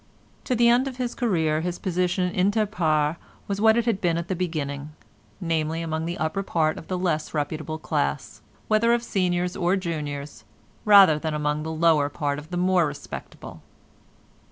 To the end of his career his position inter pares was what it had been at the beginning, namely, among the upper part of the less reputable class—whether of seniors or juniors—rather than among the lower part of the more respectable.